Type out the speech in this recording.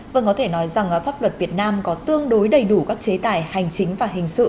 vâng có thể nói rằng pháp luật việt nam có tương đối đầy đủ các chế tài hành chính và hình sự